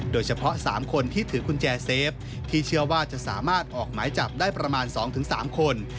โดยเฉพาะ๓คนที่ถือกุญแจเซฟที่เชื่อว่าจะสามารถออกหมายจับได้ประมาณ๒๓คน